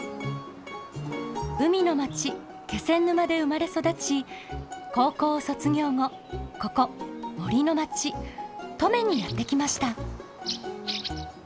海の町・気仙沼で生まれ育ち高校を卒業後ここ森の町・登米にやって来ました。